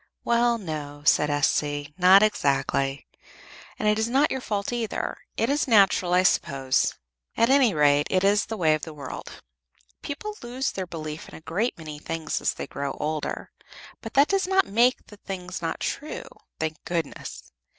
"Well, no," said S.C. "Not exactly. And it is not your fault either. It is natural, I suppose; at any rate, it is the way of the world. People lose their belief in a great many things as they grow older; but that does not make the things not true, thank goodness!